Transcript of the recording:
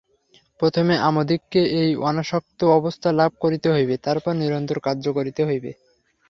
প্রথমে আমাদিগকে এই অনাসক্ত অবস্থা লাভ করিতে হইবে, তারপর নিরন্তর কার্য করিতে হইবে।